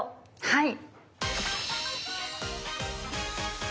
はい。